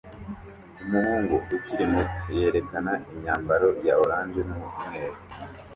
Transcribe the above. Umuhungu ukiri muto yerekana imyambaro ya orange n'umweru